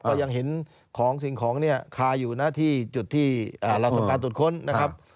ก็ยังเห็นของสิ่งของเนี่ยคาอยู่นะที่จุดที่เราทำการตรวจค้นนะครับ